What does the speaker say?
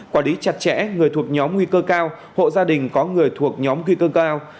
quản lý chặt chẽ người thuộc nhóm nguy cơ cao hộ gia đình có người thuộc nhóm nguy cơ cao